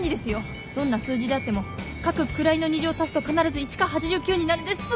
どんな数字であっても各位の２乗を足すと必ず１か８９になるんです。